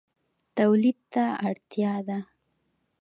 تولید ته اړتیا ده